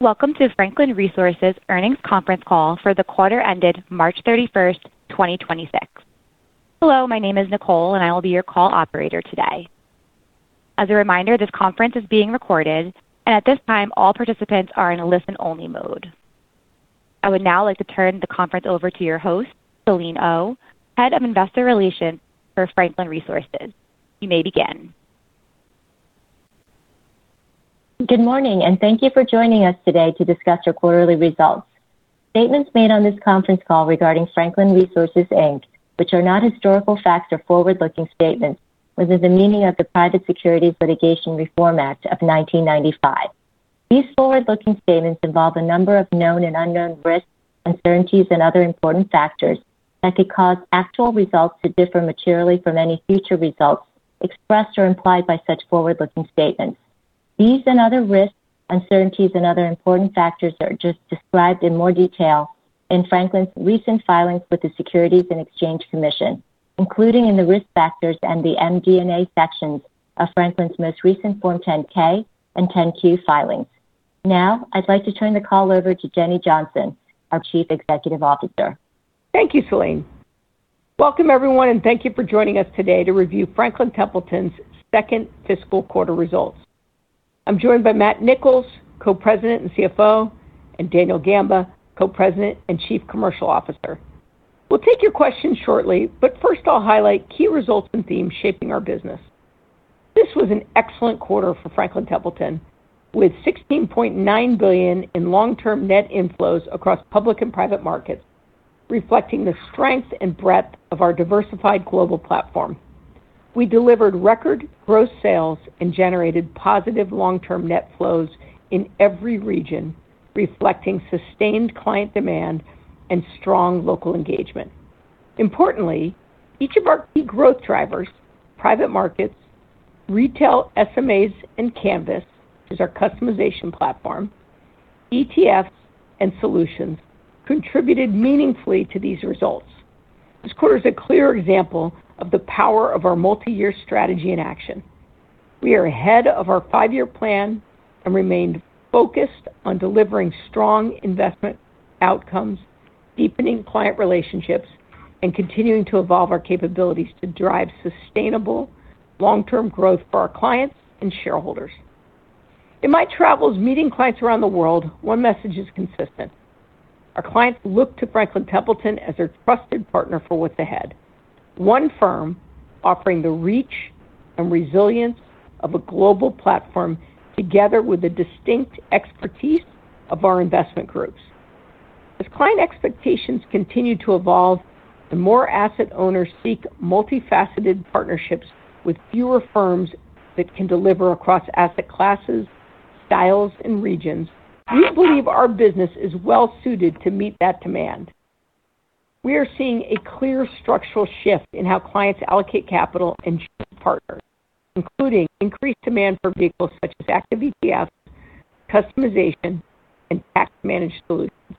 Welcome to Franklin Resources earnings conference call for the quarter ended March 31st, 2026. Hello, my name is Nicole and I will be your call operator today. As a reminder, this conference is being recorded, and at this time all participants are in a listen-only mode. I would now like to turn the conference over to your host, Selene Oh, Head of Investor Relations for Franklin Resources. You may begin. Good morning. Thank you for joining us today to discuss our quarterly results. Statements made on this conference call regarding Franklin Resources, Inc., which are not historical facts or forward-looking statements within the meaning of the Private Securities Litigation Reform Act of 1995. These forward-looking statements involve a number of known and unknown risks, uncertainties and other important factors that could cause actual results to differ materially from any future results expressed or implied by such forward-looking statements. These and other risks, uncertainties and other important factors are just described in more detail in Franklin's recent filings with the Securities and Exchange Commission, including in the Risk Factors and the MD&A sections of Franklin's most recent Form 10-K and 10-Q filings. Now I'd like to turn the call over to Jenny Johnson, our Chief Executive Officer. Thank you, Selene. Welcome, everyone, and thank you for joining us today to review Franklin Templeton's second fiscal quarter results. I'm joined by Matt Nicholls, Co-President and CFO, and Daniel Gamba, Co-President and Chief Commercial Officer. We'll take your questions shortly, but first I'll highlight key results and themes shaping our business. This was an excellent quarter for Franklin Templeton, with $16.9 billion in long-term net inflows across public and private markets, reflecting the strength and breadth of our diversified global platform. We delivered record gross sales and generated positive long-term net flows in every region, reflecting sustained client demand and strong local engagement. Importantly, each of our key growth drivers, private markets, retail SMAs, and Canvas is our customization platform, ETFs, and solutions contributed meaningfully to these results. This quarter is a clear example of the power of our multi-year strategy in action. We are ahead of our five-year plan and remained focused on delivering strong investment outcomes, deepening client relationships, and continuing to evolve our capabilities to drive sustainable long-term growth for our clients and shareholders. In my travels meeting clients around the world, one message is consistent: Our clients look to Franklin Templeton as their trusted partner for what's ahead. One firm offering the reach and resilience of a global platform, together with the distinct expertise of our investment groups. As client expectations continue to evolve and more asset owners seek multifaceted partnerships with fewer firms that can deliver across asset classes, styles and regions, we believe our business is well suited to meet that demand. We are seeing a clear structural shift in how clients allocate capital and choose partners, including increased demand for vehicles such as active ETFs, customization and tax managed solutions.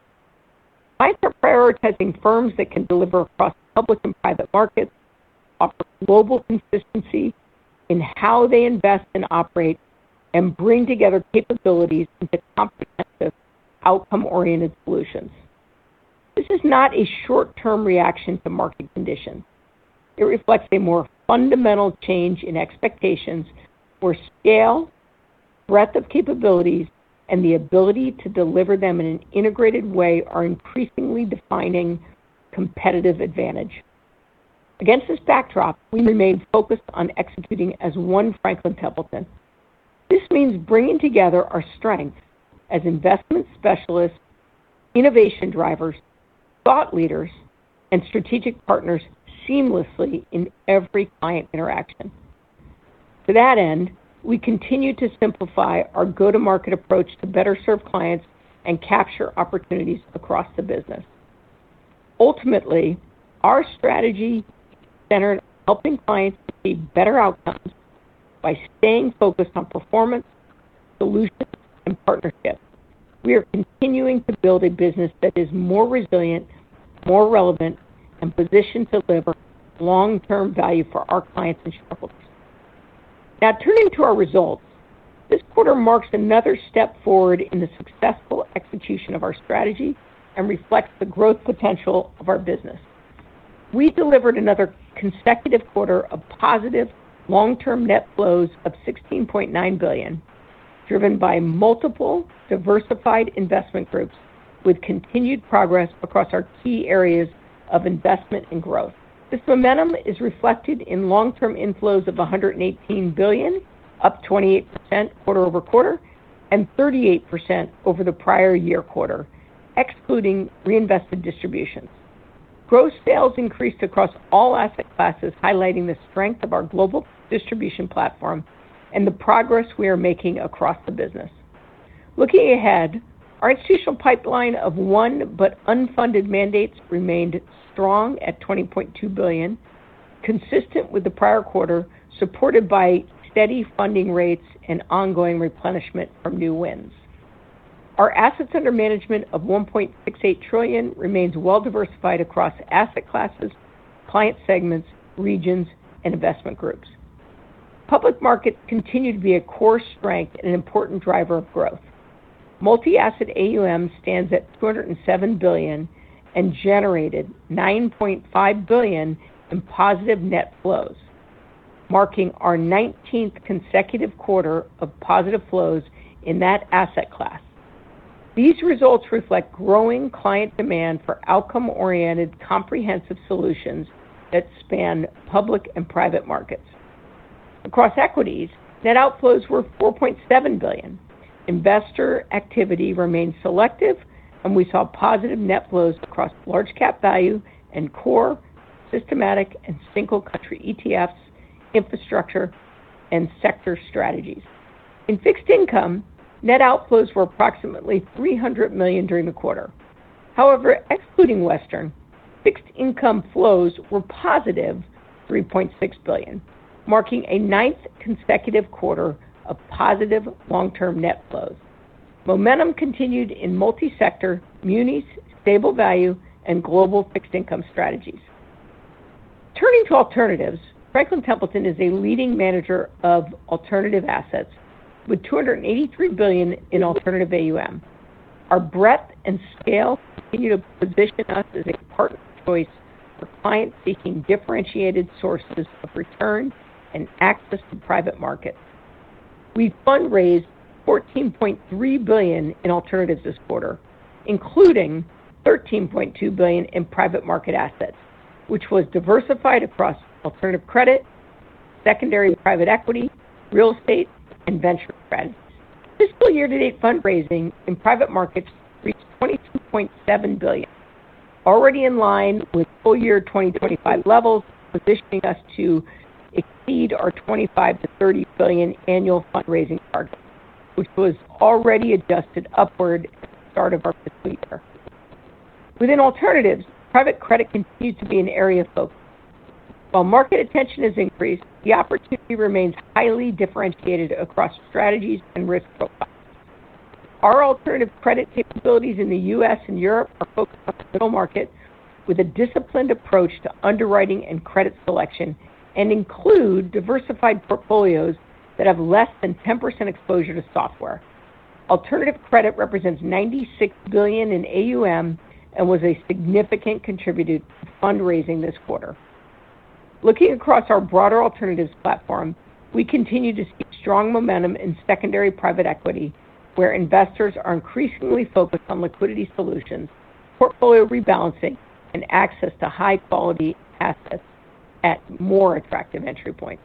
Clients are prioritizing firms that can deliver across public and private markets, offer global consistency in how they invest and operate, and bring together capabilities into comprehensive, outcome oriented solutions. This is not a short term reaction to market conditions. It reflects a more fundamental change in expectations where scale, breadth of capabilities and the ability to deliver them in an integrated way are increasingly defining competitive advantage. Against this backdrop, we remain focused on executing as one Franklin Templeton. This means bringing together our strengths as investment specialists, innovation drivers, thought leaders and strategic partners seamlessly in every client interaction. To that end, we continue to simplify our go-to market approach to better serve clients and capture opportunities across the business. Ultimately, our strategy centered on helping clients achieve better outcomes by staying focused on performance, solutions and partnerships. We are continuing to build a business that is more resilient, more relevant and positioned to deliver long term value for our clients and shareholders. Turning to our results. This quarter marks another step forward in the successful execution of our strategy and reflects the growth potential of our business. We delivered another consecutive quarter of positive long term net flows of $16.9 billion, driven by multiple diversified investment groups with continued progress across our key areas of investment and growth. This momentum is reflected in long term inflows of $118 billion, up 28% quarter-over-quarter and 38% over the prior year quarter, excluding reinvested distributions. Gross sales increased across all asset classes, highlighting the strength of our global distribution platform and the progress we are making across the business. Looking ahead, our institutional pipeline of won but unfunded mandates remained strong at $20.2 billion, consistent with the prior quarter, supported by steady funding rates and ongoing replenishment from new wins. Our assets under management of $1.68 trillion remains well diversified across asset classes, client segments, regions and investment groups. Public markets continue to be a core strength and an important driver of growth. Multi-asset AUM stands at $207 billion and generated $9.5 billion in positive net flows, marking our 19th consecutive quarter of positive flows in that asset class. These results reflect growing client demand for outcome-oriented comprehensive solutions that span public and private markets. Across equities, net outflows were $4.7 billion. Investor activity remained selective, and we saw positive net flows across large-cap value and core systematic and single-country ETFs, infrastructure and sector strategies. In fixed income, net outflows were approximately $300 million during the quarter. However, excluding Western, fixed income flows were positive $3.6 billion, marking a ninth consecutive quarter of positive long-term net flows. Momentum continued in multi-sector munis, stable value, and global fixed income strategies. Turning to alternatives, Franklin Templeton is a leading manager of alternative assets with $283 billion in alternative AUM. Our breadth and scale continue to position us as a partner of choice for clients seeking differentiated sources of return and access to private markets. We fundraised $14.3 billion in alternatives this quarter, including $13.2 billion in private market assets, which was diversified across alternative credit, secondary private equity, real estate, and venture credits. Fiscal year-to-date fundraising in private markets reached $22.7 billion already in line with full year 2025 levels, positioning us to exceed our $25 billion-$30 billion annual fundraising target, which was already adjusted upward at the start of our fiscal year. Within alternatives, private credit continues to be an area of focus. While market attention has increased, the opportunity remains highly differentiated across strategies and risk profiles. Our alternative credit capabilities in the U.S. and Europe are focused on public market with a disciplined approach to underwriting and credit selection and include diversified portfolios that have less than 10% exposure to software. Alternative credit represents $96 billion in AUM and was a significant contributor to fundraising this quarter. Looking across our broader alternatives platform, we continue to see strong momentum in secondary private equity, where investors are increasingly focused on liquidity solutions, portfolio rebalancing, and access to high-quality assets at more attractive entry points.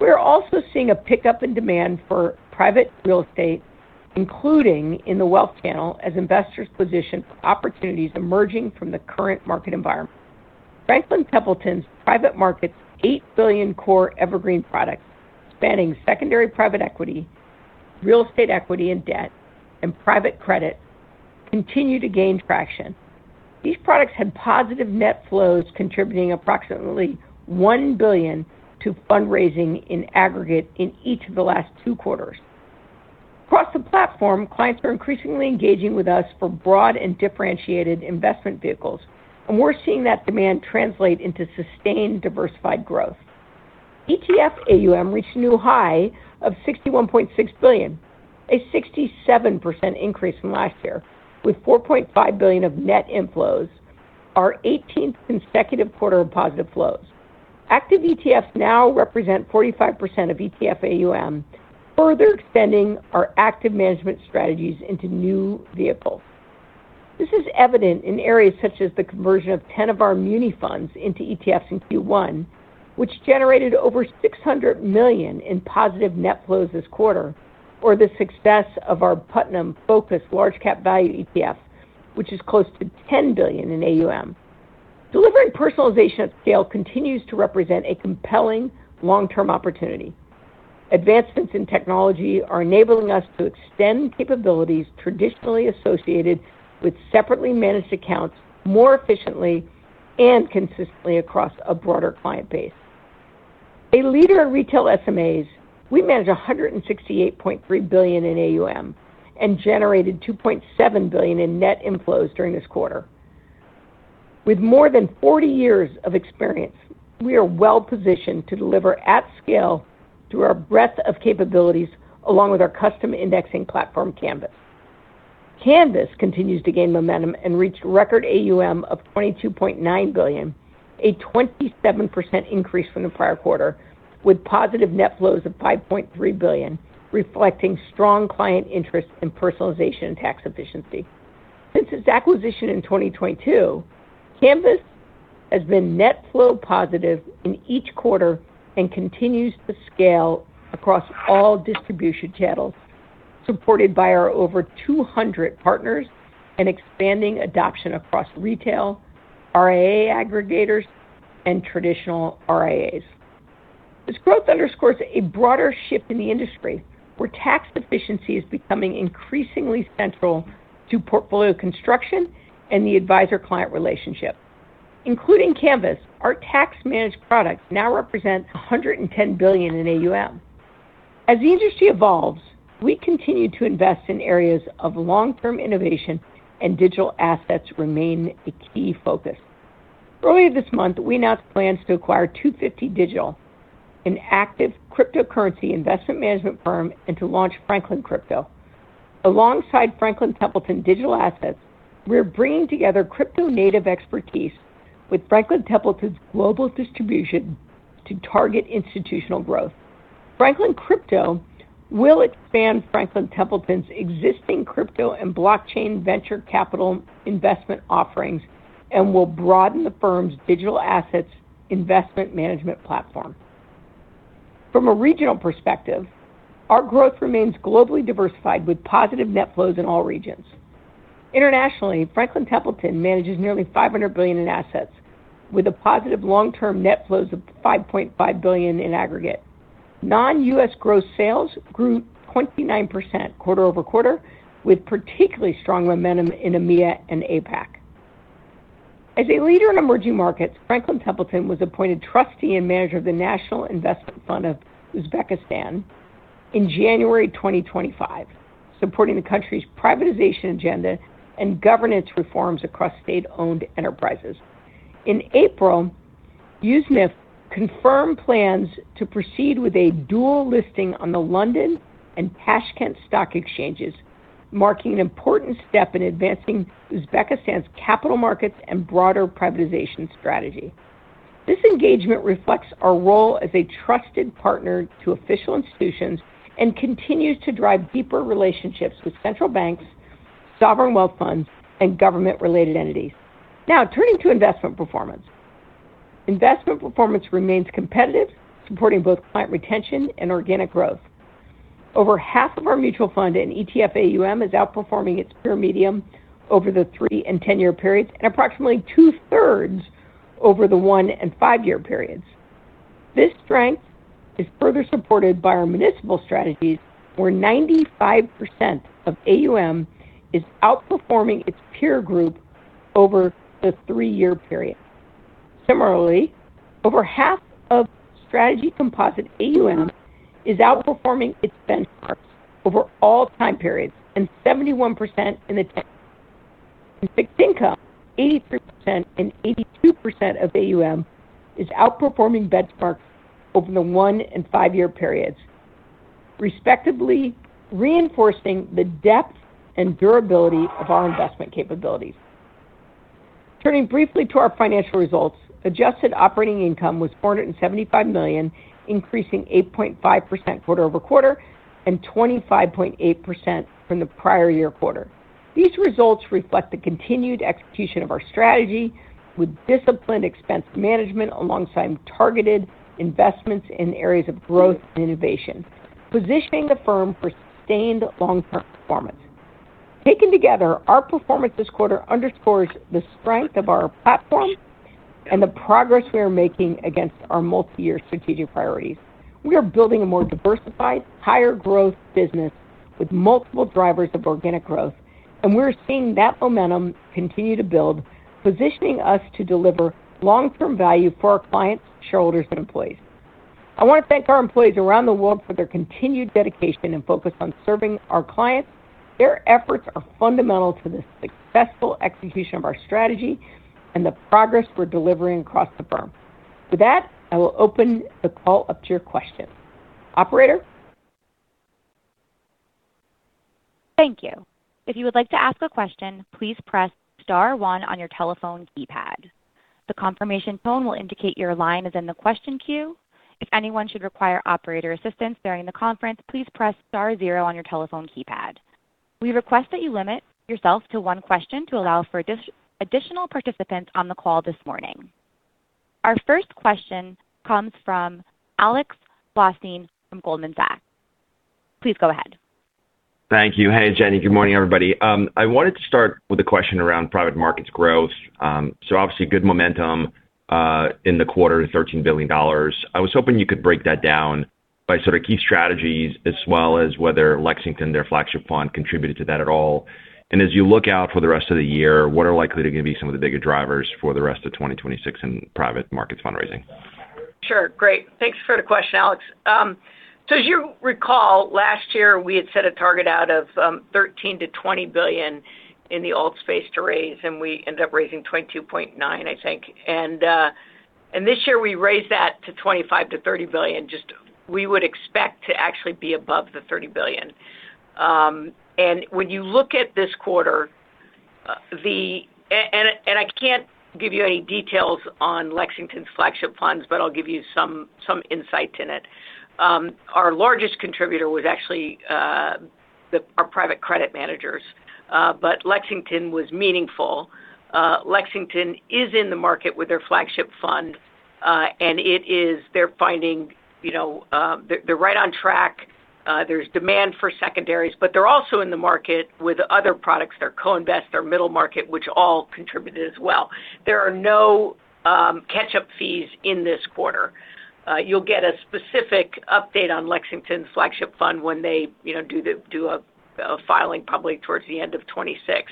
We are also seeing a pickup in demand for private real estate, including in the wealth channel as investors position for opportunities emerging from the current market environment. Franklin Templeton's private markets' $8 billion core evergreen products spanning secondary private equity, real estate equity and debt, and private credit continue to gain traction. These products had positive net flows contributing approximately $1 billion to fundraising in aggregate in each of the last two quarters. Across the platform, clients are increasingly engaging with us for broad and differentiated investment vehicles, and we're seeing that demand translate into sustained diversified growth. ETF AUM reached a new high of $61.6 billion, a 67% increase from last year with $4.5 billion of net inflows, our 18th consecutive quarter of positive flows. Active ETFs now represent 45% of ETF AUM, further extending our active management strategies into new vehicles. This is evident in areas such as the conversion of 10 of our muni funds into ETFs in Q1, which generated over $600 million in positive net flows this quarter, or the success of our Putnam Focused Large Cap Value ETF, which is close to $10 billion in AUM. Delivering personalization at scale continues to represent a compelling long-term opportunity. Advancements in technology are enabling us to extend capabilities traditionally associated with separately managed accounts more efficiently and consistently across a broader client base. A leader in retail SMAs, we manage $168.3 billion in AUM and generated $2.7 billion in net inflows during this quarter. With more than 40 years of experience, we are well-positioned to deliver at scale through our breadth of capabilities along with our custom indexing platform, Canvas. Canvas continues to gain momentum and reached record AUM of $22.9 billion, a 27% increase from the prior quarter with positive net flows of $5.3 billion, reflecting strong client interest in personalization and tax efficiency. Since its acquisition in 2022, Canvas has been net flow positive in each quarter and continues to scale across all distribution channels, supported by our over 200 partners and expanding adoption across retail, RIA aggregators, and traditional RIAs. This growth underscores a broader shift in the industry where tax efficiency is becoming increasingly central to portfolio construction and the advisor-client relationship. Including Canvas, our tax-managed products now represent $110 billion in AUM. As the industry evolves, we continue to invest in areas of long-term innovation and digital assets remain a key focus. Earlier this month, we announced plans to acquire 250 Digital, an active cryptocurrency investment management firm, and to launch Franklin Crypto. Alongside Franklin Templeton Digital Assets, we're bringing together crypto native expertise with Franklin Templeton's global distribution to target institutional growth. Franklin Crypto will expand Franklin Templeton's existing crypto and blockchain venture capital investment offerings and will broaden the firm's digital assets investment management platform. From a regional perspective, our growth remains globally diversified with positive net flows in all regions. Internationally, Franklin Templeton manages nearly $500 billion in assets with a positive long-term net flows of $5.5 billion in aggregate. Non-U.S. gross sales grew 29% quarter-over-quarter, with particularly strong momentum in EMEA and APAC. As a leader in emerging markets, Franklin Templeton was appointed trustee and manager of the National Investment Fund of Uzbekistan in January 2025, supporting the country's privatization agenda and governance reforms across state-owned enterprises. In April, USNF confirmed plans to proceed with a dual listing on the London and Tashkent Stock Exchanges, marking an important step in advancing Uzbekistan's capital markets and broader privatization strategy. This engagement reflects our role as a trusted partner to official institutions and continues to drive deeper relationships with central banks, sovereign wealth funds and government-related entities. Now turning to investment performance. Investment performance remains competitive, supporting both client retention and organic growth. Over half of our mutual fund and ETF AUM is outperforming its peer medium over the three- and 10-year periods, and approximately two-thirds over the one- and five-year periods. This strength is further supported by our municipal strategies, where 95% of AUM is outperforming its peer group over the three-year period. Similarly, over half of strategy composite AUM is outperforming its benchmarks over all time periods and 71% in the 10. In fixed income, 83% and 82% of AUM is outperforming benchmarks over the one- and five-year periods, respectively, reinforcing the depth and durability of our investment capabilities. Turning briefly to our financial results, adjusted operating income was $475 million, increasing 8.5% quarter-over-quarter and 25.8% from the prior year quarter. These results reflect the continued execution of our strategy with disciplined expense management alongside targeted investments in areas of growth and innovation, positioning the firm for sustained long-term performance. Taken together, our performance this quarter underscores the strength of our platform and the progress we are making against our multi-year strategic priorities. We are building a more diversified, higher growth business with multiple drivers of organic growth, and we're seeing that momentum continue to build, positioning us to deliver long-term value for our clients, shareholders and employees. I want to thank our employees around the world for their continued dedication and focus on serving our clients. Their efforts are fundamental to the successful execution of our strategy and the progress we're delivering across the firm. With that, I will open the call up to your questions. Operator. Thank you. If you would like to ask a question, please press star one on your telephone keypad. The confirmation tone will indicate your line is in the question queue. If anyone should require operator assistance during the conference, please press star zero on your telephone keypad. We request that you limit yourself to one question to allow for additional participants on the call this morning. Our first question comes from Alex Blostein from Goldman Sachs. Please go ahead. Thank you. Hey, Jenny. Good morning, everybody. I wanted to start with a question around private markets growth. Obviously good momentum in the quarter to $13 billion. I was hoping you could break that down by sort of key strategies as well as whether Lexington, their flagship fund, contributed to that at all. As you look out for the rest of the year, what are likely going to be some of the bigger drivers for the rest of 2026 in private markets fundraising? Sure. Great. Thanks for the question, Alex. As you recall, last year we had set a target out of $13 billion-$20 billion in the alt space to raise, and we ended up raising $22.9, I think. This year we raised that to $25 billion-$30 billion. Just we would expect to actually be above the $30 billion. When you look at this quarter, I can't give you any details on Lexington's flagship funds, but I'll give you some insights in it. Our largest contributor was actually our private credit managers, but Lexington was meaningful. Lexington is in the market with their flagship fund, and it is they're finding, you know, right on track. There's demand for secondaries, but they're also in the market with other products, their co-invest, their middle market, which all contributed as well. There are no catch-up fees in this quarter. You'll get a specific update on Lexington's flagship fund when they, you know, do a filing probably towards the end of 2026.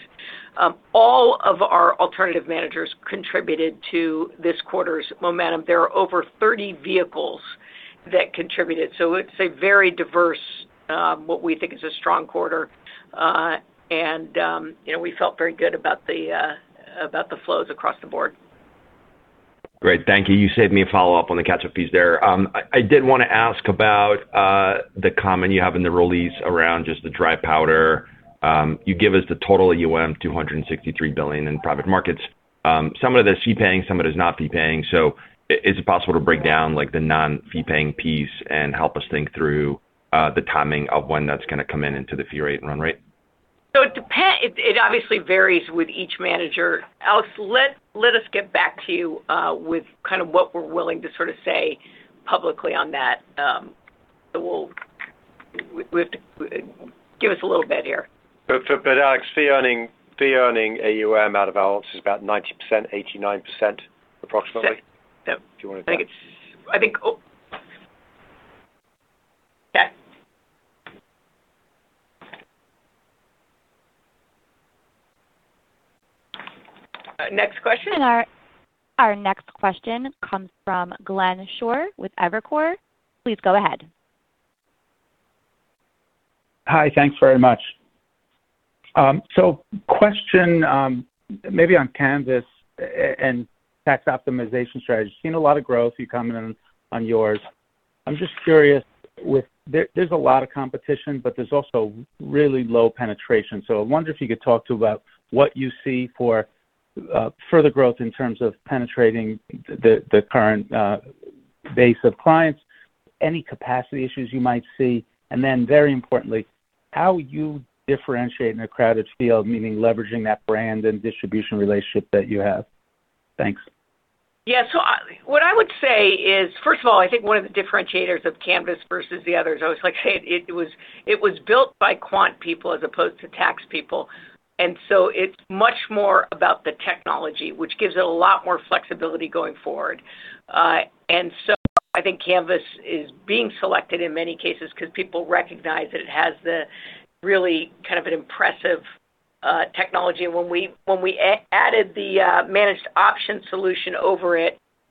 All of our alternative managers contributed to this quarter's momentum. There are over 30 vehicles that contributed. It's a very diverse, what we think is a strong quarter. You know, we felt very good about the flows across the board. Great. Thank you. You saved me a follow-up on the catch-up fees there. I did want to ask about the comment you have in the release around just the dry powder. You give us the total AUM $263 billion in private markets. Some of it is fee paying, some of it is not fee paying. Is it possible to break down like the non-fee paying piece and help us think through the timing of when that's gonna come in into the fee rate and run-rate? It obviously varies with each manager. Alex, let us get back to you with kind of what we're willing to sort of say publicly on that. Give us a little bit here. Alex, fee earning AUM is about 90%, 89% approximately. Yeah. Yeah. Do you want to. Yeah. Next question. Our next question comes from Glenn Schorr with Evercore. Please go ahead. Hi. Thanks very much. Question, maybe on Canvas and tax optimization strategies. Seen a lot of growth, you commented on yours. There's a lot of competition, but there's also really low penetration. I wonder if you could talk about what you see for further growth in terms of penetrating the current base of clients, any capacity issues you might see, very importantly, how you differentiate in a crowded field, meaning leveraging that brand and distribution relationship that you have. Thanks. Yeah. What I would say is, first of all, I think one of the differentiators of Canvas versus the others, I always like to say it was built by quant people as opposed to tax people. It's much more about the technology, which gives it a lot more flexibility going forward. I think Canvas is being selected in many cases because people recognize that it has the really kind of an impressive technology. When we added the managed option solution over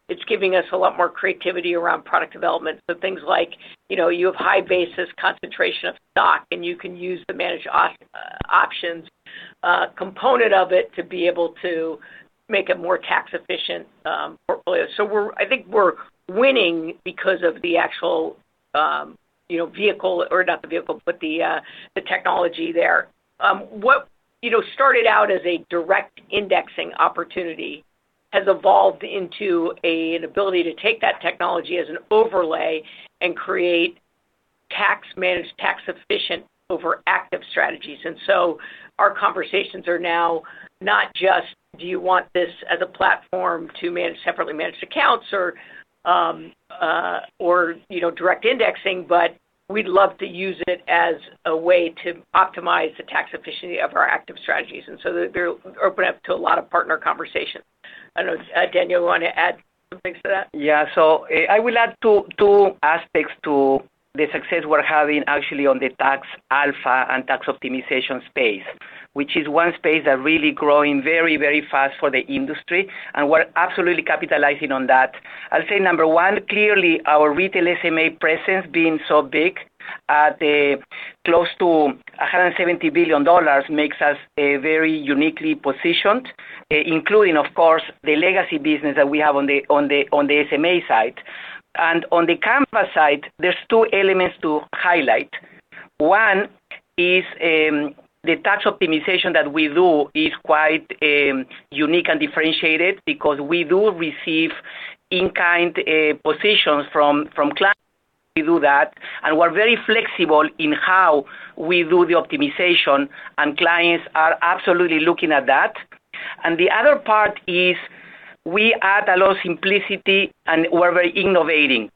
it's giving us a lot more creativity around product development. Things like, you know, you have high basis concentration of stock, and you can use the managed options component of it to be able to make a more tax efficient portfolio. I think we're winning because of the actual, you know, vehicle, or not the vehicle, but the technology there. What, you know, started out as a direct indexing opportunity has evolved into an ability to take that technology as an overlay and create tax-managed, tax-efficient over active strategies. Our conversations are now not just, do you want this as a platform to manage separately managed accounts or, you know, direct indexing, but we'd love to use it as a way to optimize the tax efficiency of our active strategies. They're open up to a lot of partner conversations. I don't know. Daniel, you want to add some things to that? Yeah. I will add two aspects to the success we're having actually on the tax alpha and tax optimization space, which is one space that really growing very, very fast for the industry, and we're absolutely capitalizing on that. I'll say number one, clearly, our retail SMA presence being so big at close to $170 billion makes us very uniquely positioned, including, of course, the legacy business that we have on the SMA side. On the Canvas side, there's two elements to highlight. One is, the tax optimization that we do is quite unique and differentiated because we do receive in-kind positions from clients. We do that, and we're very flexible in how we do the optimization, and clients are absolutely looking at that. The other part is we add a lot of simplicity, we're very innovating.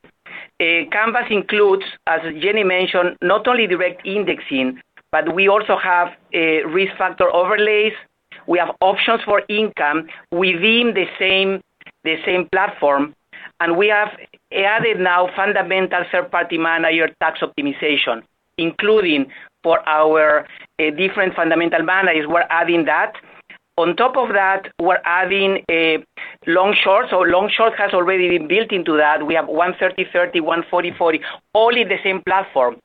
Canvas includes, as Jenny mentioned, not only direct indexing, but we also have risk factor overlays. We have options for income within the same platform. We have added now fundamental third-party manager tax optimization, including for our different fundamental managers. We're adding that. On top of that, we're adding a long short. Long short has already been built into that. We have 130/30, 140/40, all in the same platform.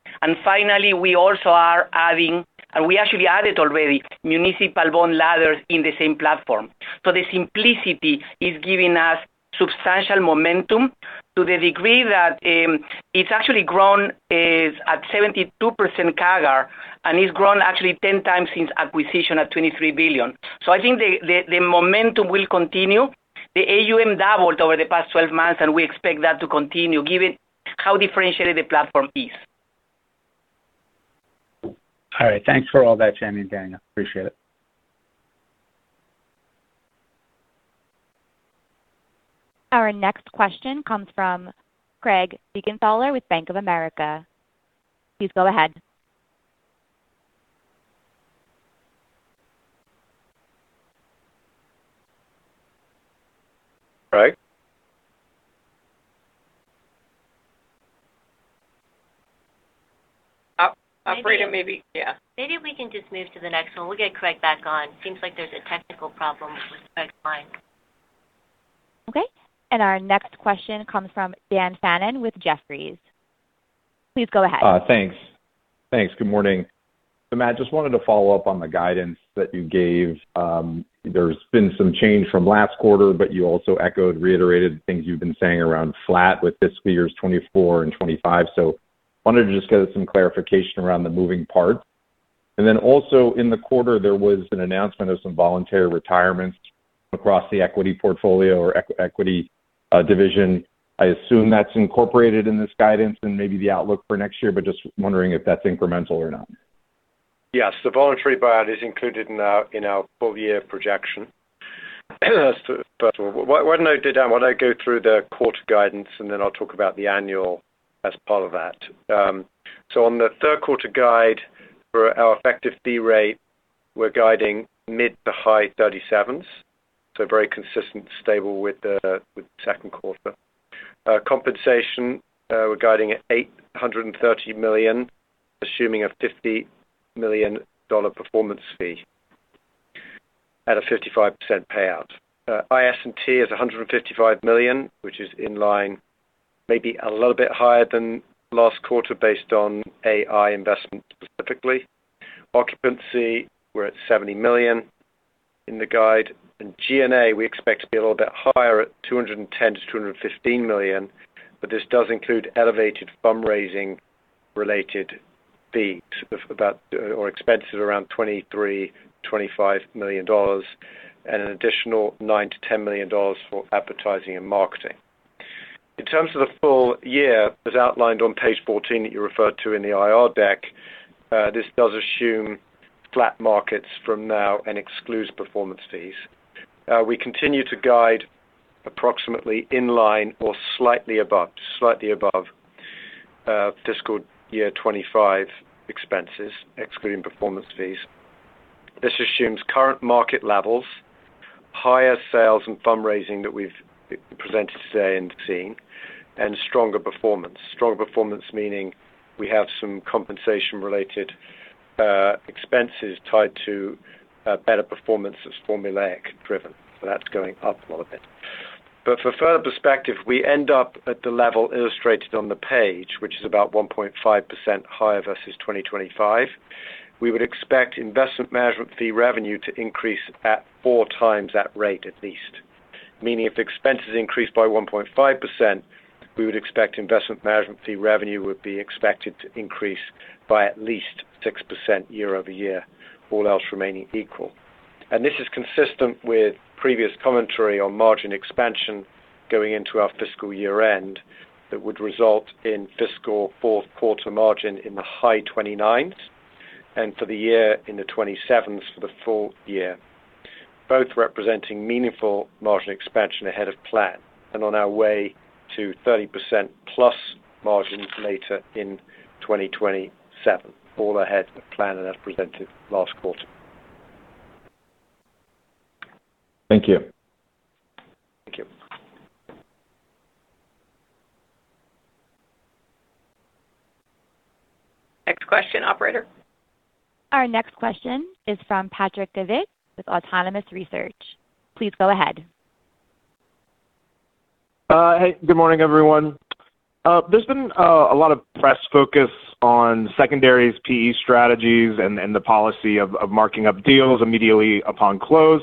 Finally, we also are adding, and we actually added already municipal bond ladders in the same platform. The simplicity is giving us substantial momentum to the degree that it's actually grown at 72% CAGR, and it's grown actually 10x since acquisition at $23 billion. I think the momentum will continue. The AUM doubled over the past 12 months, and we expect that to continue given how differentiated the platform is. All right. Thanks for all that, Jenny and Daniel. Appreciate it. Our next question comes from Craig Siegenthaler with Bank of America. Please go ahead. Craig? Operator, maybe, yeah. Maybe we can just move to the next one. We'll get Craig back on. Seems like there's a technical problem with Craig's line. Okay. Our next question comes from Dan Fannon with Jefferies. Please go ahead. Thanks. Thanks. Good morning. Matt, just wanted to follow up on the guidance that you gave. There's been some change from last quarter, but you also echoed, reiterated things you've been saying around flat with fiscal years 2024 and 2025. Wanted to just get some clarification around the moving parts. Also in the quarter, there was an announcement of some voluntary retirements across the equity portfolio or equity division. I assume that's incorporated in this guidance and maybe the outlook for next year, but just wondering if that's incremental or not. Yes. The voluntary buyout is included in our full year projection. First of all, why don't I go through the quarter guidance, and then I'll talk about the annual as part of that. On the third quarter guide for our effective fee rate, we're guiding mid-to-high 37s, very consistent, stable with the second quarter. Compensation, we're guiding at $830 million, assuming a $50 million performance fee at a 55% payout. IS&T is $155 million, which is in line, maybe a little bit higher than last quarter based on AI investment specifically. Occupancy, we're at $70 million in the guide. G&A, we expect to be a little bit higher at $210 million-$215 million, but this does include elevated fundraising related fees or expenses around $23 million-$25 million and an additional $9 million-$10 million for advertising and marketing. In terms of the full year, as outlined on page 14 that you referred to in the IR deck, this does assume flat markets from now and excludes performance fees. We continue to guide approximately in line or slightly above fiscal year 2025 expenses, excluding performance fees. This assumes current market levels, higher sales and fundraising that we've presented today and seen, and stronger performance. Stronger performance meaning we have some compensation-related expenses tied to better performance that's formulaic driven. That's going up a little bit. For further perspective, we end up at the level illustrated on the page, which is about 1.5% higher versus 2025. We would expect investment management fee revenue to increase at 4x that rate at least. Meaning if the expenses increase by 1.5%, we would expect investment management fee revenue would be expected to increase by at least 6% year-over-year, all else remaining equal. This is consistent with previous commentary on margin expansion going into our fiscal year-end that would result in fiscal fourth quarter margin in the high 29s and for the year in the 27s for the full year, both representing meaningful margin expansion ahead of plan and on our way to 30%+ margins later in 2027, all ahead of plan and as presented last quarter. Thank you. Thank you. Next question, operator. Our next question is from Patrick Davitt with Autonomous Research. Please go ahead. Hey, good morning, everyone. There's been a lot of press focus on secondaries PE strategies and the policy of marking up deals immediately upon close.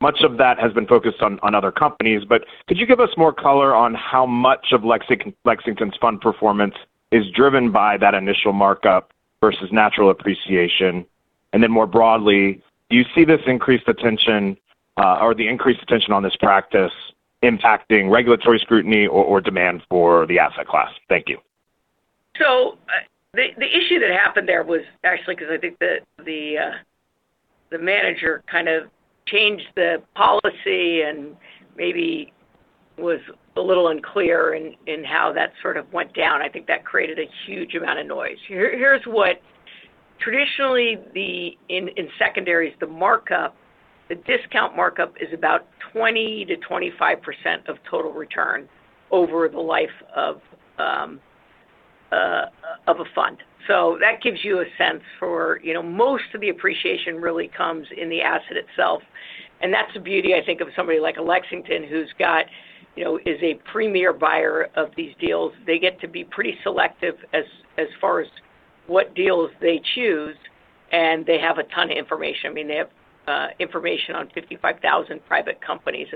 Much of that has been focused on other companies. Could you give us more color on how much of Lexington's fund performance is driven by that initial markup versus natural appreciation? Then more broadly, do you see this increased attention or the increased attention on this practice impacting regulatory scrutiny or demand for the asset class? Thank you. The issue that happened there was actually because I think the manager kind of changed the policy and maybe was a little unclear in how that sort of went down. I think that created a huge amount of noise. In secondaries, the markup, the discount markup is about 20%-25% of total return over the life of a fund. That gives you a sense for, you know, most of the appreciation really comes in the asset itself, and that's the beauty, I think, of somebody like a Lexington who's got, you know, is a premier buyer of these deals. They get to be pretty selective as far as what deals they choose, and they have a ton of information. I mean, they have information on 55,000 private companies.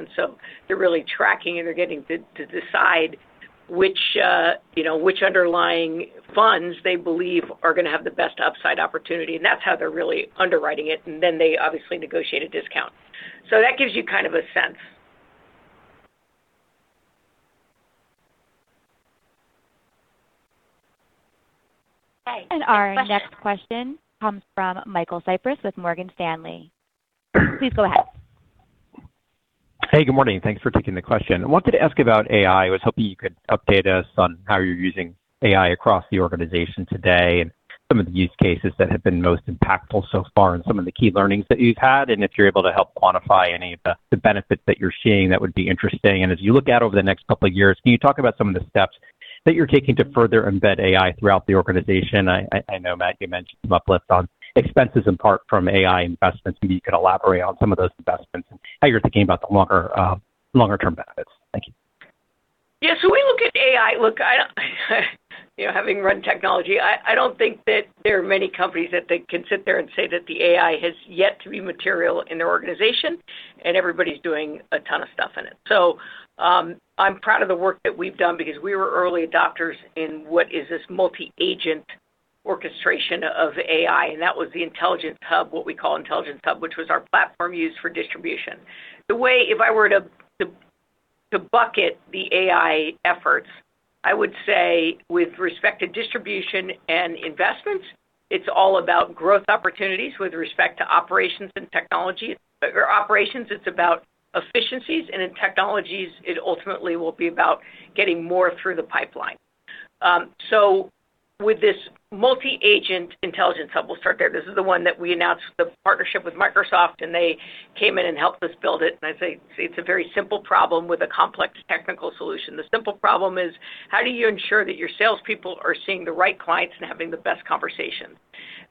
They're really tracking and they're getting to decide which, you know, which underlying funds they believe are gonna have the best upside opportunity. That's how they're really underwriting it. They obviously negotiate a discount. That gives you kind of a sense. Okay. Next question. Our next question comes from Michael Cyprys with Morgan Stanley. Please go ahead. Hey, good morning. Thanks for taking the question. I wanted to ask about AI. I was hoping you could update us on how you're using AI across the organization today and some of the use cases that have been most impactful so far and some of the key learnings that you've had. If you're able to help quantify any of the benefits that you're seeing, that would be interesting. As you look out over the next couple of years, can you talk about some of the steps that you're taking to further embed AI throughout the organization. I know, Matt, you mentioned some uplifts on expenses in part from AI investments, and you can elaborate on some of those investments and how you're thinking about the longer term benefits. Thank you. Yeah. We look at AI. Look, I don't you know, having run technology, I don't think that there are many companies that they can sit there and say that the AI has yet to be material in their organization, and everybody's doing a ton of stuff in it. I'm proud of the work that we've done because we were early adopters in what is this multi-agent orchestration of AI, and that was the Intelligence Hub, what we call Intelligence Hub, which was our platform used for distribution. The way if I were to, to bucket the AI efforts, I would say with respect to distribution and investments, it's all about growth opportunities with respect to operations and technology. Our operations, it's about efficiencies, and in technologies, it ultimately will be about getting more through the pipeline. With this multi-agent Intelligence Hub, we'll start there. This is the one that we announced the partnership with Microsoft, and they came in and helped us build it. I'd say it's a very simple problem with a complex technical solution. The simple problem is, how do you ensure that your salespeople are seeing the right clients and having the best conversations?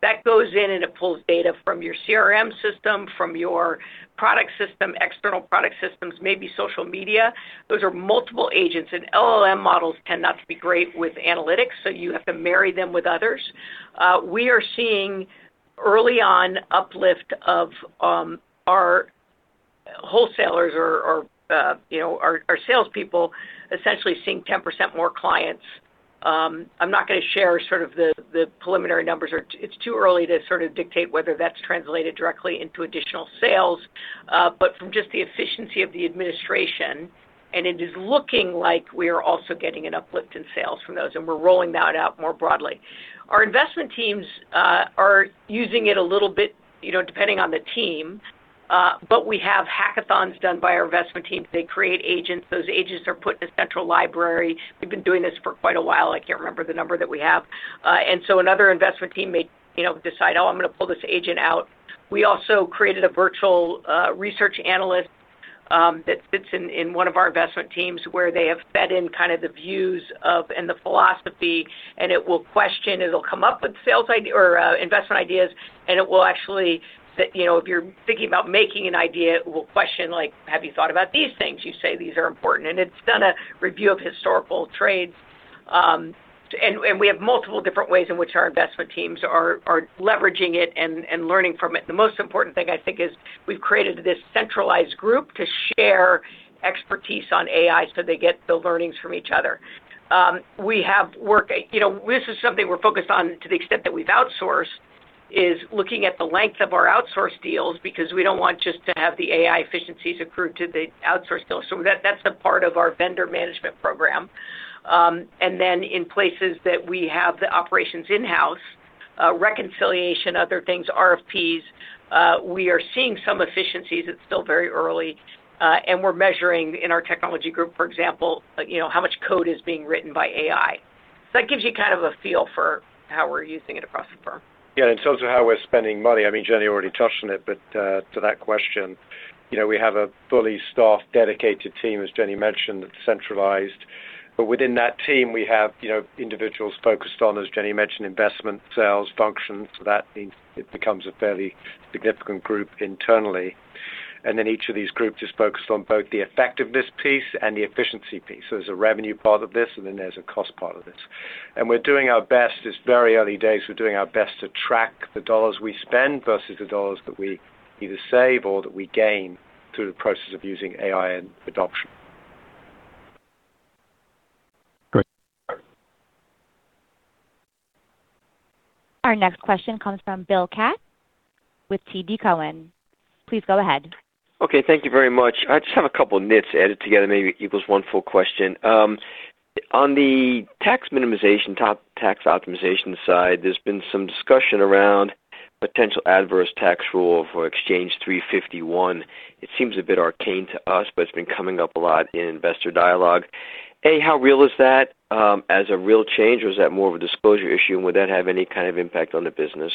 That goes in, and it pulls data from your CRM system, from your product system, external product systems, maybe social media. Those are multiple agents, and LLM models tend not to be great with analytics, so you have to marry them with others. We are seeing early on uplift of our wholesalers or, you know, our salespeople essentially seeing 10% more clients. I'm not gonna share sort of the preliminary numbers. It's too early to sort of dictate whether that's translated directly into additional sales, but from just the efficiency of the administration, it is looking like we are also getting an uplift in sales from those, we're rolling that out more broadly. Our investment teams are using it a little bit, you know, depending on the team, but we have hackathons done by our investment teams. They create agents. Those agents are put in a central library. We've been doing this for quite a while. I can't remember the number that we have. Another investment team may, you know, decide, oh, I'm gonna pull this agent out. We also created a virtual research analyst that sits in one of our investment teams where they have fed in kind of the views of and the philosophy, it will question. It'll come up with sales idea or investment ideas. It will actually sit. You know, if you're thinking about making an idea, it will question like, Have you thought about these things? You say these are important. It's done a review of historical trades, and we have multiple different ways in which our investment teams are leveraging it and learning from it. The most important thing, I think, is we've created this centralized group to share expertise on AI so they get the learnings from each other. We have work. You know, this is something we're focused on to the extent that we've outsourced, is looking at the length of our outsource deals because we don't want just to have the AI efficiencies accrued to the outsource deals. That's a part of our vendor management program. In places that we have the operations in-house, reconciliation, other things, RFPs, we are seeing some efficiencies. It's still very early, we're measuring in our technology group, for example, you know, how much code is being written by AI. That gives you kind of a feel for how we're using it across the firm. Yeah. In terms of how we're spending money, I mean, Jenny already touched on it, but to that question, you know, we have a fully staffed, dedicated team, as Jenny mentioned, that's centralized. Within that team, we have, you know, individuals focused on, as Jenny mentioned, investment, sales functions. That means it becomes a fairly significant group internally. Each of these groups is focused on both the effectiveness piece and the efficiency piece. There's a revenue part of this, and then there's a cost part of this. We're doing our best. It's very early days. We're doing our best to track the dollars we spend versus the dollars that we either save or that we gain through the process of using AI and adoption. Great. Our next question comes from Bill Katz with TD Cowen. Please go ahead. Okay. Thank you very much. I just have a couple nits added together, maybe equals 1 full question. On the tax minimization, top tax optimization side, there's been some discussion around potential adverse tax rule for exchange Section 351. It seems a bit arcane to us, but it's been coming up a lot in investor dialogue. A, how real is that as a real change, or is that more of a disclosure issue? Would that have any kind of impact on the business?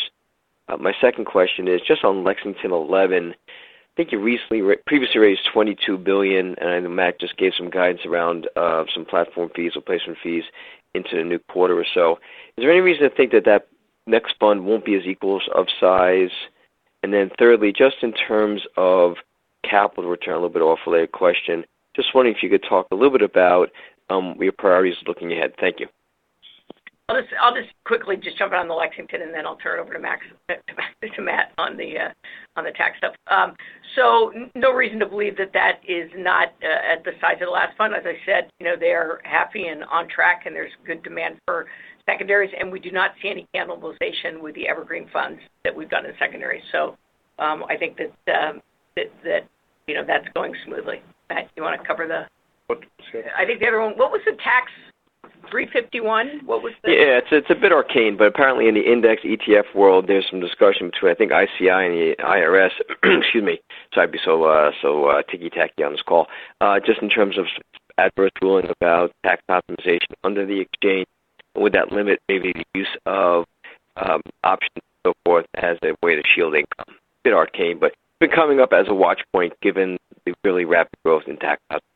My second question is just on Lexington XI. I think you recently previously raised $22 billion, and I know Matt just gave some guidance around some platform fees or placement fees into the new quarter or so. Is there any reason to think that that next bond won't be as equals of size? Thirdly, just in terms of capital return, a little bit off late question. Just wondering if you could talk a little bit about your priorities looking ahead. Thank you. I'll just quickly jump in on the Lexington, then I'll turn it over to Matt on the tax stuff. No reason to believe that that is not at the size of the last fund. As I said, you know, they are happy and on track, and there's good demand for secondaries, and we do not see any cannibalization with the evergreen funds that we've done in secondary. I think that, you know, that's going smoothly. Matt, you wanna cover the? Sure. I think the other one. What was the tax 351? It's, it's a bit arcane, but apparently in the index ETF world, there's some discussion between, I think, ICI and the IRS. Excuse me. Sorry to be so ticky-tacky on this call. Just in terms of adverse ruling about tax optimization under the exchange, would that limit maybe the use of options so forth as a way to shield income. Bit arcane, but been coming up as a watch point given the really rapid growth in tax population.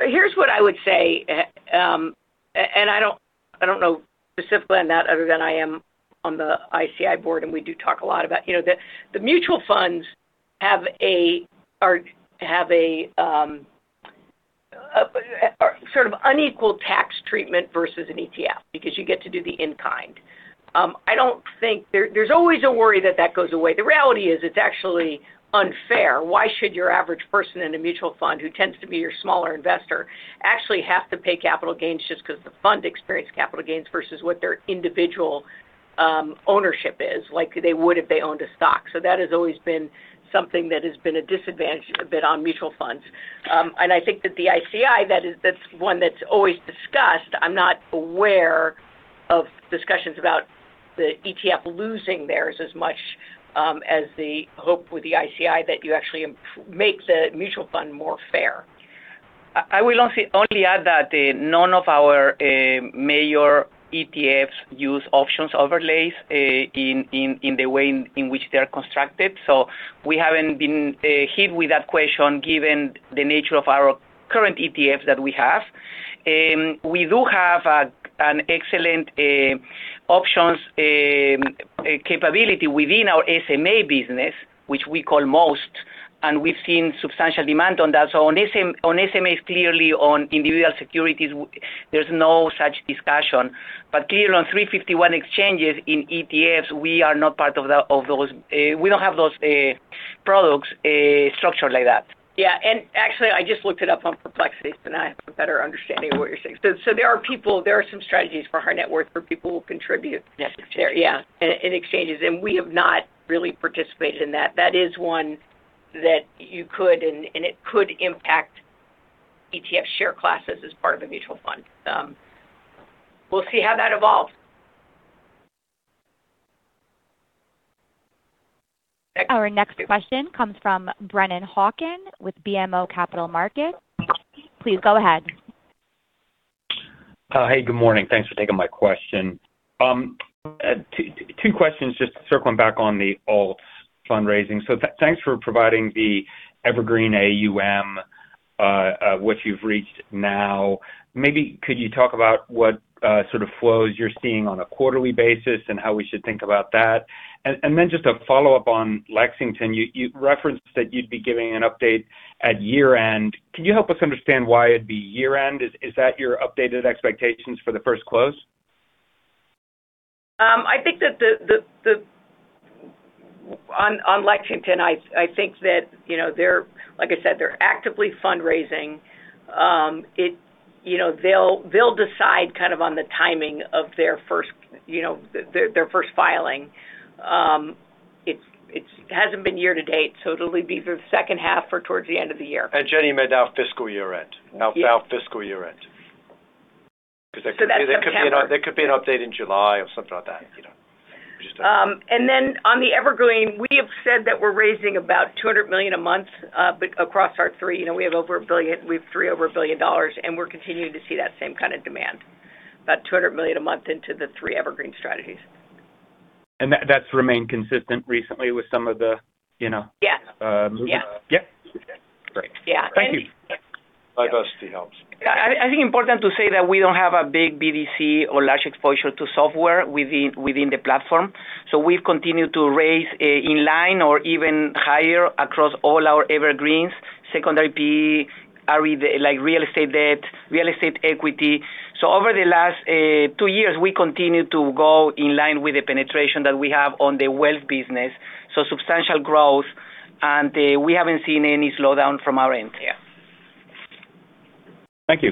Here's what I would say. I don't, I don't know specifically on that other than I am on the ICI board, and we do talk a lot about. You know, the mutual funds have a sort of unequal tax treatment versus an ETF because you get to do the in-kind. I don't think. There's always a worry that that goes away. The reality is it's actually unfair. Why should your average person in a mutual fund, who tends to be your smaller investor, actually have to pay capital gains just 'cause the fund experienced capital gains versus what their individual ownership is like they would if they owned a stock. That has always been something that has been a disadvantage a bit on mutual funds. I think that the ICI, that's one that's always discussed. I'm not aware of discussions about the ETF losing theirs as much, as the hope with the ICI that you actually make the mutual fund more fair. I will only add that none of our major ETFs use options overlays in the way in which they are constructed. We haven't been hit with that question given the nature of our current ETFs that we have. We do have an excellent options capability within our SMA business, which we call MOST, and we've seen substantial demand on that. On SMAs, clearly on individual securities, there's no such discussion. Clearly on 351 exchanges in ETFs, we are not part of those. We don't have those products structured like that. Yeah. Actually, I just looked it up on Perplexity, and I have a better understanding of what you're saying. There are people, there are some strategies for high net worth where people will contribute- Yes. Yeah, in exchanges, we have not really participated in that. That is one that you could and it could impact ETF share classes as part of a mutual fund. We'll see how that evolves. Our next question comes from Brennan Hawken with BMO Capital Markets. Please go ahead. Hey, good morning. Thanks for taking my question. Two questions just circling back on the alts fundraising. Thanks for providing the Evergreen AUM, what you've reached now. Maybe could you talk about what sort of flows you're seeing on a quarterly basis and how we should think about that? Then just a follow-up on Lexington. You referenced that you'd be giving an update at year-end. Can you help us understand why it'd be year-end? Is that your updated expectations for the first close? I think that on Lexington, I think that, you know, like I said, they're actively fundraising. You know, they'll decide kind of on the timing of their first, you know, their first filing. It's hasn't been year to date, so it'll be the second half or towards the end of the year. Jenny meant our fiscal year-end. Our fiscal year-end. That's September. There could be an update in July or something like that, you know. On the Evergreen, we have said that we're raising about $200 million a month across our three. You know, we have over $1 billion. We have three over $1 billion, and we're continuing to see that same kind of demand. About $200 million a month into the three Evergreen strategies. That's remained consistent recently with some of the, you know. Yeah. Um- Yeah. Yeah. Great. Yeah. Thank you. Diversity helps. I think important to say that we don't have a big BDC or large exposure to software within the platform. We've continued to raise in line or even higher across all our Evergreens, secondary PE, like real estate debt, real estate equity. Over the last two years, we continued to go in line with the penetration that we have on the wealth business. Substantial growth, and we haven't seen any slowdown from our end here. Thank you.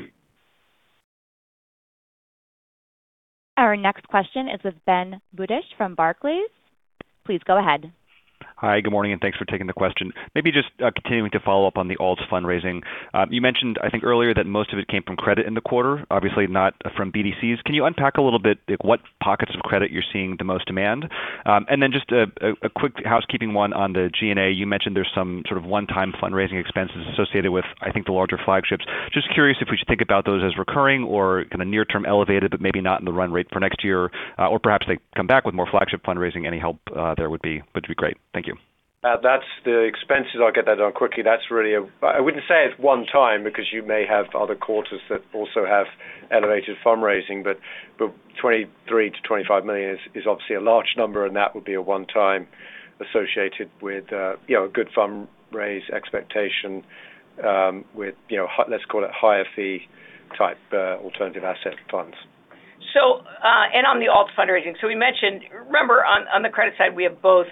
Our next question is with Ben Budish from Barclays. Please go ahead. Hi, good morning, and thanks for taking the question. Maybe just continuing to follow up on the alts fundraising. You mentioned, I think earlier, that most of it came from credit in the quarter, obviously not from BDCs. Can you unpack a little bit, like, what pockets of credit you're seeing the most demand? And then just a quick housekeeping one on the G&A. You mentioned there's some sort of one-time fundraising expenses associated with, I think, the larger flagships. Just curious if we should think about those as recurring or kind of near-term elevated, but maybe not in the run rate for next year, or perhaps they come back with more flagship fundraising. Any help there would be great. Thank you. That's the expenses. I'll get that done quickly. I wouldn't say it's one time because you may have other quarters that also have elevated fundraising, but $23 million-$25 million is obviously a large number, and that would be a one time associated with, you know, a good fund raise expectation, with, you know, let's call it higher fee type, alternative asset funds. On the alt fundraising. We mentioned. Remember, on the credit side, we have both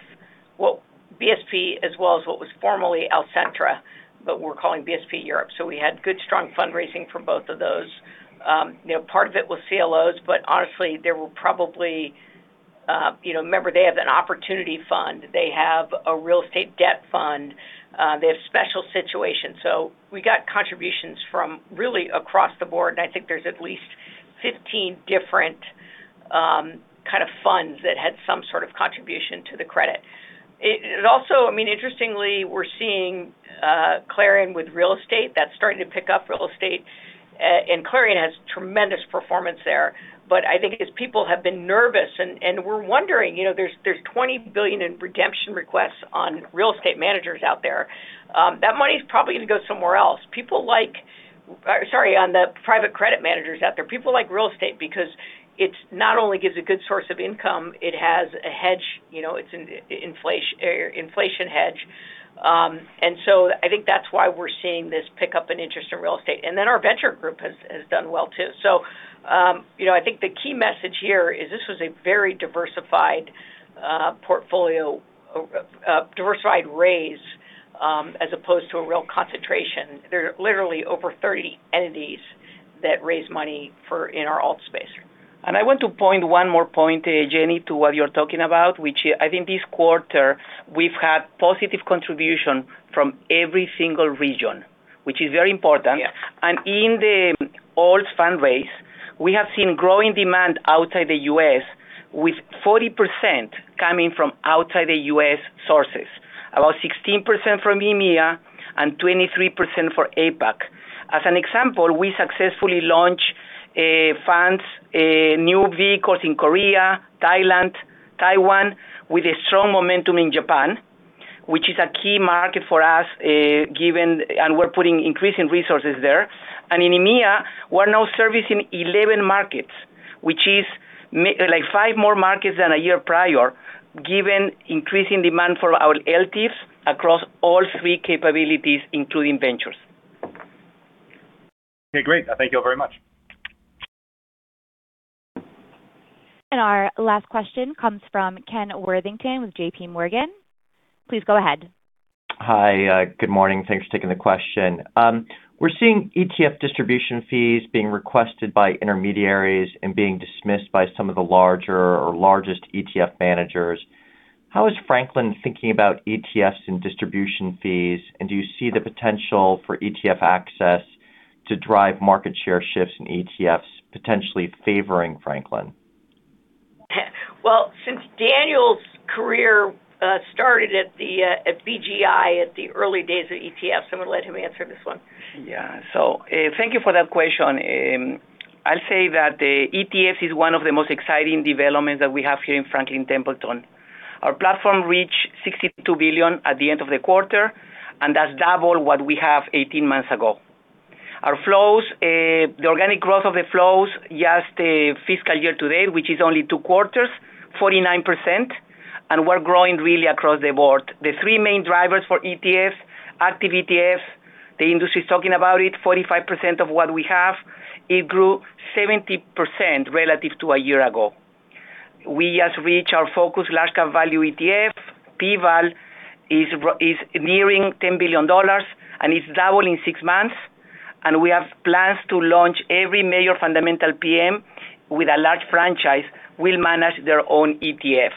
BSP as well as what was formerly Alcentra, but we're calling BSP Europe. We had good, strong fundraising from both of those. You know, part of it was CLOs, but honestly, there were probably. Remember, they have an opportunity fund. They have a real estate debt fund. They have special situations. We got contributions from really across the board, and I think there's at least 15 different kind of funds that had some sort of contribution to the credit. It also, I mean, interestingly, we're seeing Clarion with real estate, that's starting to pick up real estate, and Clarion has tremendous performance there. I think as people have been nervous and we're wondering, you know, there's $20 billion in redemption requests on real estate managers out there. That money is probably gonna go somewhere else. On the private credit managers out there. People like real estate because it not only gives a good source of income, it has a hedge, you know, it's an inflation hedge. I think that's why we're seeing this pickup in interest in real estate. Our venture group has done well too. You know, I think the key message here is this was a very diversified portfolio, diversified raise, as opposed to a real concentration. There are literally over 30 entities that raise money for in our alt space. I want to point one more point, Jenny, to what you're talking about, which I think this quarter we've had positive contribution from every single region, which is very important. Yeah. In the alts fund raise, we have seen growing demand outside the U.S., with 40% coming from outside the U.S. sources, about 16% from EMEA and 23% for APAC. As an example, we successfully launch funds, new vehicles in Korea, Thailand, Taiwan, with a strong momentum in Japan, which is a key market for us. We're putting increasing resources there. In EMEA, we're now servicing 11 markets, which is like five more markets than a year prior, given increasing demand for our ELTIFs across all three capabilities, including ventures. Okay, great. Thank you all very much. Our last question comes from Ken Worthington with JPMorgan. Please go ahead. Hi. Good morning. Thanks for taking the question. We're seeing ETF distribution fees being requested by intermediaries and being dismissed by some of the larger or largest ETF managers. How is Franklin thinking about ETFs and distribution fees, and do you see the potential for ETF access to drive market share shifts in ETFs potentially favoring Franklin? Since Daniel's career started at the at BGI at the early days of ETF, so I'm gonna let him answer this one. Thank you for that question. I'll say that the ETFs is one of the most exciting developments that we have here in Franklin Templeton. Our platform reached $62 billion at the end of the quarter, and that's double what we have 18 months ago. Our flows, the organic growth of the flows, just the fiscal year-to-date, which is only two quarters, 49%, and we're growing really across the board. The three main drivers for ETFs, active ETFs, the industry is talking about it, 45% of what we have, it grew 70% relative to a year ago. We just reached our Putnam Focused Large Cap Value ETF. PVAL is nearing $10 billion, and it's double in six months. We have plans to launch every major fundamental PM with a large franchise will manage their own ETF.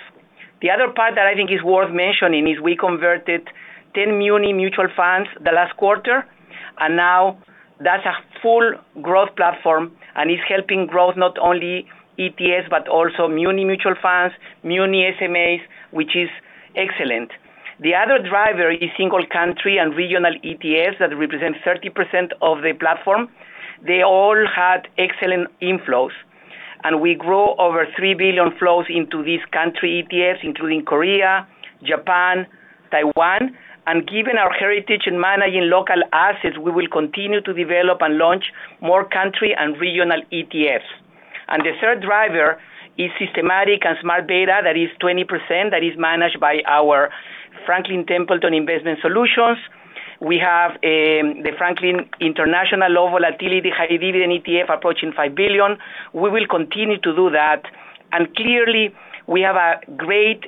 The other part that I think is worth mentioning is we converted 10 muni mutual funds the last quarter, and now that's a full growth platform, and it's helping growth not only ETFs, but also muni mutual funds, muni SMAs, which is excellent. The other driver is single country and regional ETFs that represent 30% of the platform. They all had excellent inflows. We grow over $3 billion flows into these country ETFs, including Korea, Japan, Taiwan. Given our heritage in managing local assets, we will continue to develop and launch more country and regional ETFs. The third driver is systematic and smart beta. That is 20% that is managed by our Franklin Templeton Investment Solutions. We have the Franklin International Low Volatility High Dividend ETF approaching $5 billion. We will continue to do that. Clearly, we have a great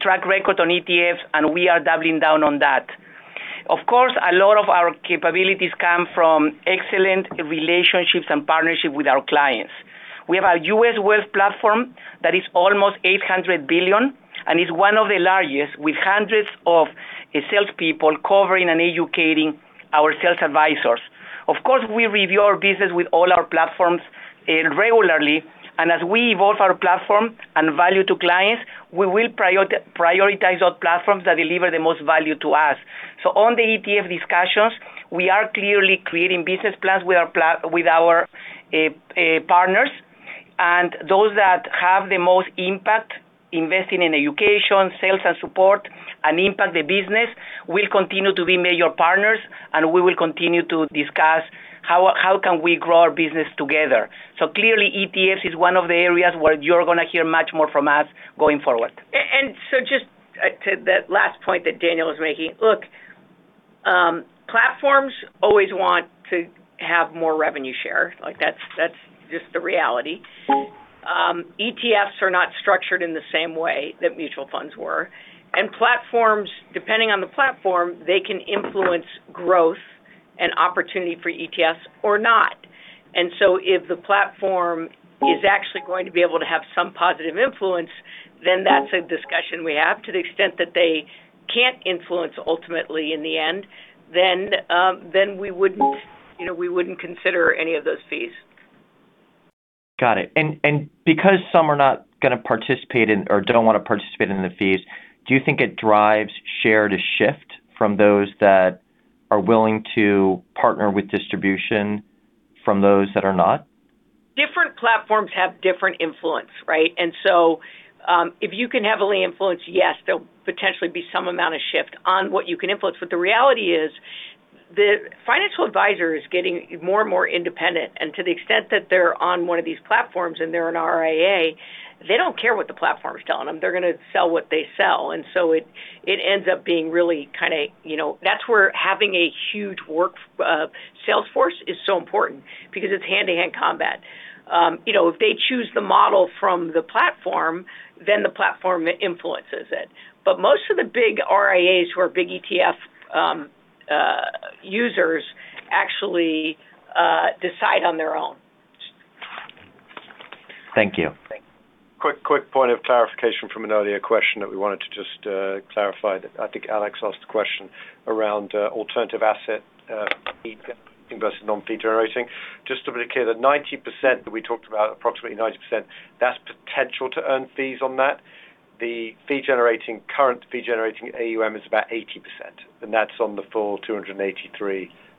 track record on ETFs, and we are doubling down on that. Of course, a lot of our capabilities come from excellent relationships and partnership with our clients. We have a U.S. wealth platform that is almost $800 billion and is one of the largest, with hundreds of salespeople covering and educating our sales advisors. Of course, we review our business with all our platforms regularly, and as we evolve our platform and value to clients, we will prioritize those platforms that deliver the most value to us. On the ETF discussions, we are clearly creating business plans with our partners. Those that have the most impact investing in education, sales and support, and impact the business will continue to be major partners. We will continue to discuss how can we grow our business together. Clearly, ETFs is one of the areas where you're gonna hear much more from us going forward. Just to that last point that Daniel is making, look, platforms always want to have more revenue share. Like, that's just the reality. ETFs are not structured in the same way that mutual funds were. Platforms, depending on the platform, they can influence growth and opportunity for ETFs or not. If the platform is actually going to be able to have some positive influence, then that's a discussion we have. To the extent that they can't influence ultimately in the end, then we wouldn't, you know, we wouldn't consider any of those fees. Got it. Because some are not gonna participate in or don't wanna participate in the fees, do you think it drives share to shift from those that are willing to partner with distribution from those that are not? Different platforms have different influence, right? If you can heavily influence, yes, there'll potentially be some amount of shift on what you can influence. The reality is the financial advisor is getting more and more independent. To the extent that they're on one of these platforms and they're an RIA, they don't care what the platform is telling them. They're gonna sell what they sell. It ends up being really kinda, you know. That's where having a huge sales force is so important because it's hand-to-hand combat. You know, if they choose the model from the platform, then the platform influences it. Most of the big RIAs who are big ETF users actually decide on their own. Thank you. Thank you. Quick point of clarification from an earlier question that we wanted to just clarify. I think Alex asked the question around alternative asset fee versus non-fee generating. Just to be clear, the 90% that we talked about, approximately 90%, that's potential-to-earn fees on that. The fee-generating, current fee-generating AUM is about 80%, and that's on the full $283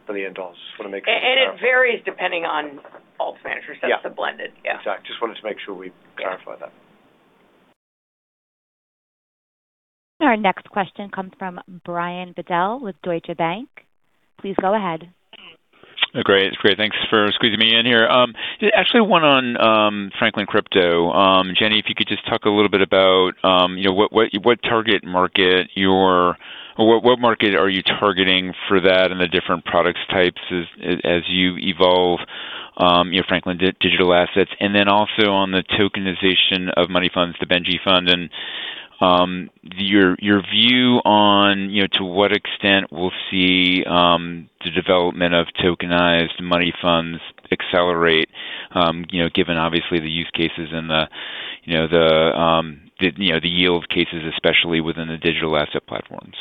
billion. It varies depending on alt managers. Yeah. That's the blended. Yeah. Exactly. Just wanted to make sure we clarified that. Yeah. Our next question comes from Brian Bedell with Deutsche Bank. Please go ahead. Great. Great. Thanks for squeezing me in here. Actually one on Franklin Crypto. Jenny, if you could just talk a little bit about, you know, what market are you targeting for that and the different products types as you evolve, you know, Franklin Templeton Digital Assets? Also on the tokenization of money funds, the Benji Fund, and your view on, you know, to what extent we'll see the development of tokenized money funds accelerate, you know, given obviously the use cases and the yield cases, especially within the digital asset platforms.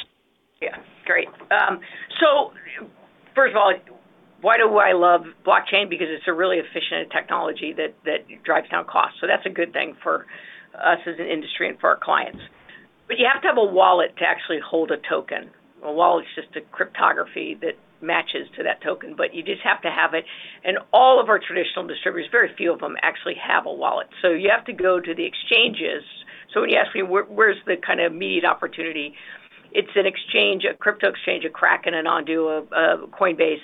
Yeah. Great. First of all, why do I love blockchain? Because it's a really efficient technology that drives down costs. That's a good thing for us as an industry and for our clients. You have to have a wallet to actually hold a token. A wallet is just a cryptography that matches to that token, but you just have to have it. All of our traditional distributors, very few of them actually have a wallet. You have to go to the exchanges. When you ask me where the kinda immediate opportunity, it's an exchange, a crypto exchange, a Kraken, an Ondo, a Coinbase,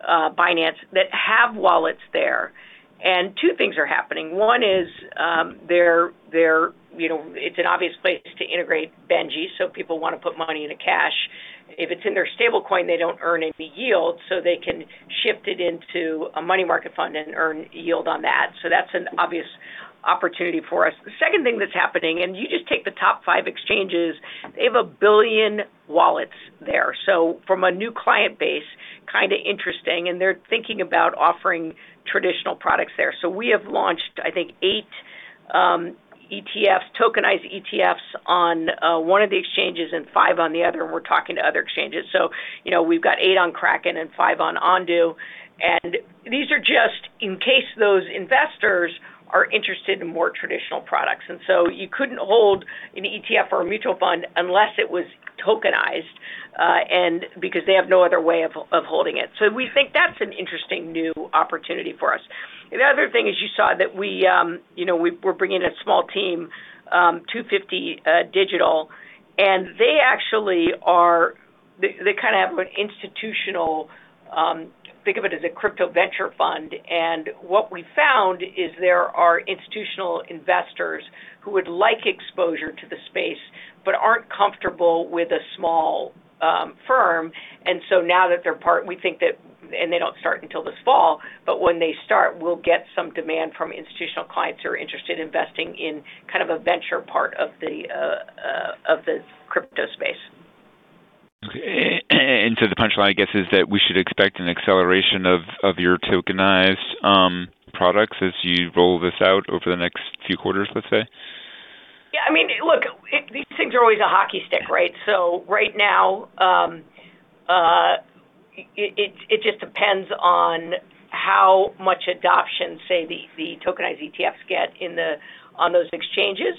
Binance that have wallets there. Two things are happening. One is, they're, you know, it's an obvious place to integrate BENJI, so people wanna put money into cash. If it's in their stable coin, they don't earn any yield, so they can shift it into a money market fund and earn yield on that. That's an obvious opportunity for us. The second thing that's happening, and you just take the top five exchanges, they have 1 billion wallets there. From a new client base, kind of interesting, and they're thinking about offering traditional products there. We have launched, I think, eight ETFs, tokenized ETFs on one of the exchanges and five on the other, and we're talking to other exchanges. You know, we've got eight on Kraken and five on Ondo. These are just in case those investors are interested in more traditional products. You couldn't hold an ETF or a mutual fund unless it was tokenized, and because they have no other way of holding it. We think that's an interesting new opportunity for us. The other thing is you saw that we're bringing in a small team, 250 Digital, and they actually are. They, they kinda have an institutional, think of it as a crypto venture fund. What we found is there are institutional investors who would like exposure to the space, but aren't comfortable with a small firm. Now that they're part, we think that. They don't start until this fall, but when they start, we'll get some demand from institutional clients who are interested in investing in kind of a venture part of the crypto space. Okay. The punchline, I guess, is that we should expect an acceleration of your tokenized products as you roll this out over the next few quarters, let's say? Yeah. I mean, look, these things are always a hockey stick, right? Right now, it just depends on how much adoption, say, the tokenized ETFs get on those exchanges.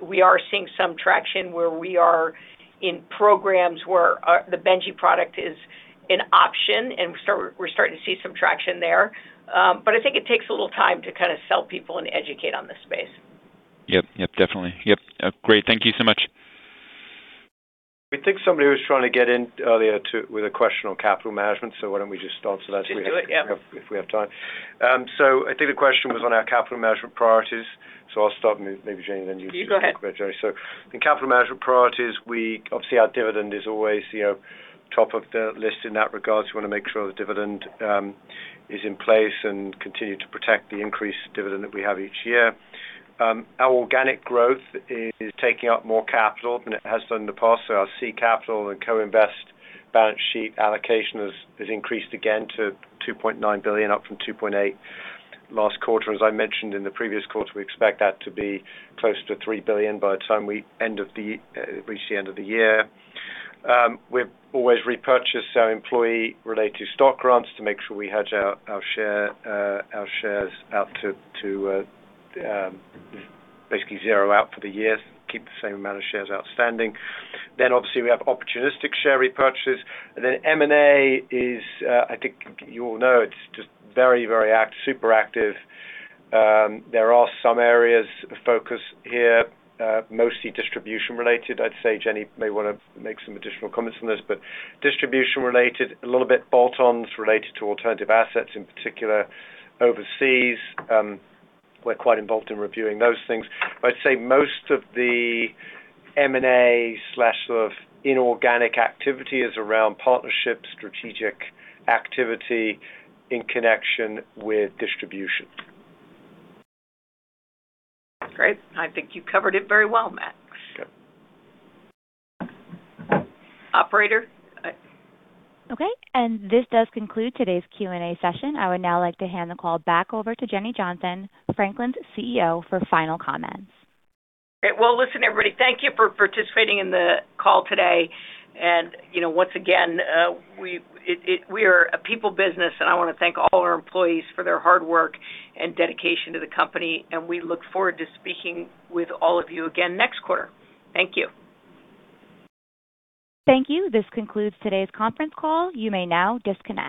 We are seeing some traction where we are in programs where the Benji product is an option, and we're starting to see some traction there. I think it takes a little time to kinda sell people and educate on this space. Yep. Yep, definitely. Yep. Great. Thank you so much. We think somebody was trying to get in earlier with a question on capital management. Why don't we just answer that. Should do it, yep. If we have time. I think the question was on our capital management priorities. I'll start and maybe Jenny then you. You go ahead. In capital management priorities, Obviously our dividend is always, you know, top of the list in that regard, so we wanna make sure the dividend is in place and continue to protect the increased dividend that we have each year. Our organic growth is taking up more capital than it has done in the past. Our C-capital and co-invest balance sheet allocation has increased again to $2.9 billion, up from $2.8 billion last quarter. As I mentioned in the previous quarter, we expect that to be closer to $3 billion by the time we reach the end of the year. We've always repurchased our employee-related stock grants to make sure we hedge our share, our shares out to basically zero out for the year, keep the same amount of shares outstanding. Obviously we have opportunistic share repurchases. M&A is, I think you all know it's just very super active. There are some areas of focus here, mostly distribution-related. I'd say Jenny may wanna make some additional comments on this, but distribution-related, a little bit bolt-ons related to alternative assets, in particular overseas. We're quite involved in reviewing those things. I'd say most of the M&A/sort of inorganic activity is around partnership strategic activity in connection with distribution. Great. I think you covered it very well, Matt. Okay. Operator, Okay. This does conclude today's Q&A session. I would now like to hand the call back over to Jenny Johnson, Franklin's CEO, for final comments. Great. Well, listen, everybody, thank you for participating in the call today. You know, once again, we are a people business, and I wanna thank all our employees for their hard work and dedication to the company, and we look forward to speaking with all of you again next quarter. Thank you. Thank you. This concludes today's conference call. You may now disconnect.